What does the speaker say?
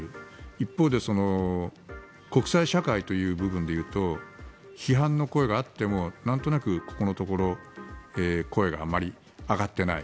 一方で、国際社会という部分で言うと批判の声があってもなんとなくここのところ声があまり上がっていない。